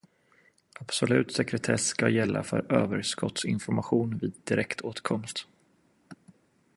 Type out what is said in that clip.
Absolut sekretess ska gälla för överskottsinformation vid direktåtkomst.